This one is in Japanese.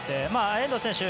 遠藤選手